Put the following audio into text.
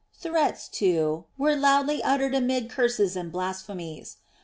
Threats, too, were loudly uttered amid curses and blasphemies.